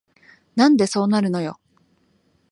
なんでそうなるのよ